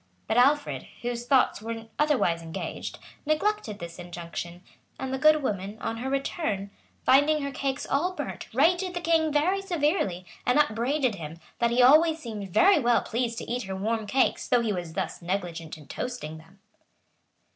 But Alfred, whose thoughts were otherwise engaged, neglected this injunction; and the good woman, on her return, finding her cakes all burnt, rated the king very severely, and upbraided him, that he always seemed very well pleased to eat her warm cakes though he was thus negligent in toasting them.